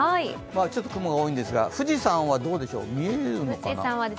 雲が多いんですが、富士山はどうでしょう、見えるのかな。